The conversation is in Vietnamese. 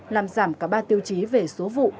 làm giảm cả ba tiêu chí về số vụ